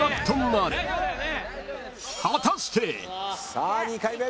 さあ２回目。